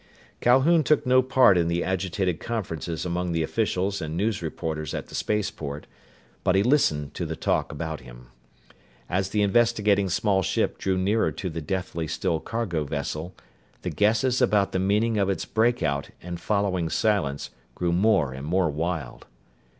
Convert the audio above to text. Calhoun took no part in the agitated conferences among the officials and news reporters at the spaceport. But he listened to the talk about him. As the investigating small ship drew nearer to the deathly still cargo vessel, the guesses about the meaning of its breakout and following silence grew more and more wild.